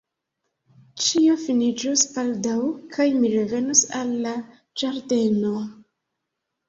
Ĉio finiĝos baldaŭ kaj mi revenos al la Ĝardeno.